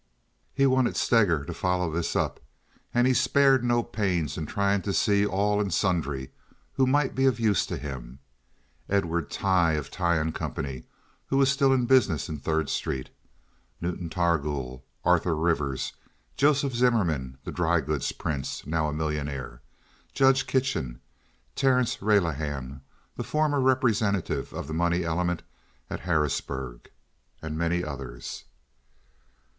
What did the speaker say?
He wanted Steger to follow this up, and he spared no pains in trying to see all and sundry who might be of use to him—Edward Tighe, of Tighe & Co., who was still in business in Third Street; Newton Targool; Arthur Rivers; Joseph Zimmerman, the dry goods prince, now a millionaire; Judge Kitchen; Terrence Relihan, the former representative of the money element at Harrisburg; and many others.